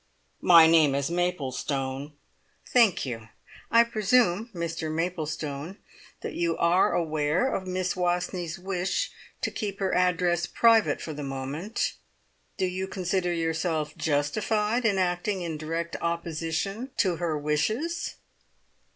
"My name is Maplestone." "Thank you! I presume, Mr Maplestone, that you are aware of Miss Wastneys' wish to keep her address private for the moment. Do you consider yourself justified in acting in direct opposition to her wishes?"